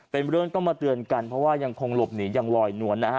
เป็นเรื่องต้องมาเตือนกันเพราะว่ายังคงหลบหนียังลอยนวลนะฮะ